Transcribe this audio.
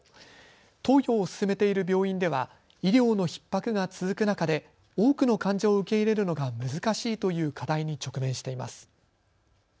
投与を進めている病院では医療のひっ迫が続く中で多くの患者を受け入れるのが難しいという課題に直面しています。